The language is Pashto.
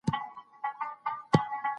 د ژوند حق له انسان څخه اخيستل کېدای سي.